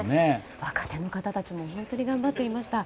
若手の方たちも本当に頑張っていました。